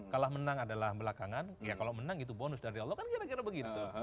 kalah menang adalah belakangan ya kalau menang itu bonus dari allah kan kira kira begitu